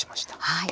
はい。